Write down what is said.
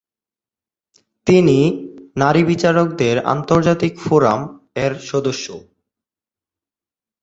তিনি "নারী বিচারকদের আন্তর্জাতিক ফোরাম" এর সদস্যও।